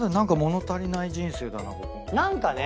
何かね！